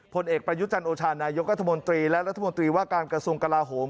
ผลเอกประยุจันโอชานายกรัฐมนตรีและรัฐมนตรีว่าการกระทรวงกลาโหม